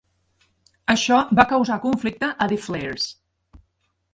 Això va causar conflicte a The Flairs.